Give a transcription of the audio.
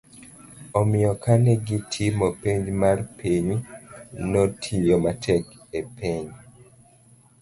omiyo kane gitimo penj mar piny, notiyo matek e penj